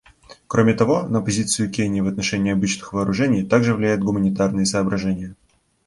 Кроме того, на позицию Кении в отношении обычных вооружений также влияют гуманитарные соображения.